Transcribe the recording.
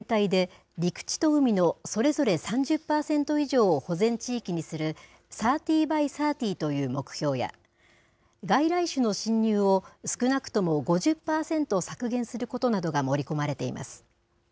１８日に示された議長案では、世界全体で陸地と海のそれぞれ３０％以上を保全地域にする、３０ｂｙ３０という目標や、外来種の侵入を、少なくとも５０％削減することなどが盛り込まれています。